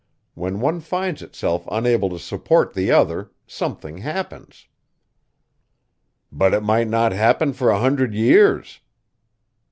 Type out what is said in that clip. When one finds itself unable to support the other, something happens." "But it might not happen for a hundred years."